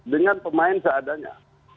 dengan pemain seadanya